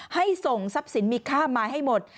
ให้ส่งทรัพย์สินมีค่ามาให้หมด